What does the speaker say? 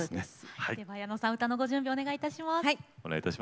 では矢野さん歌のご準備お願いいたします。